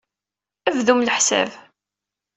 Bdum leḥsab.